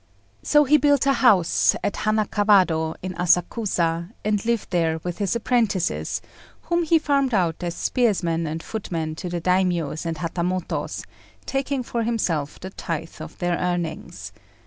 So he built a house at Hanakawado, in Asakusa, and lived there with his apprentices, whom he farmed out as spearsmen and footmen to the Daimios and Hatamotos, taking for himself the tithe of their earnings.